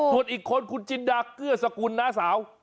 ส่วนอีกคนคุณจินดาเกื้อสกุลน้าสาว